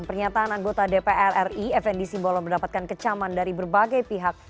pernyataan anggota dpr ri fnd simbolon mendapatkan kecaman dari berbagai pihak